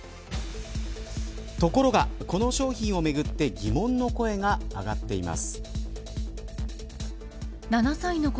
ところが、この商品をめぐって疑問の声が上がっています。